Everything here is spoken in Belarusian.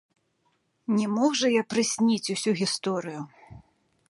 Не мог жа я прысніць усю гісторыю.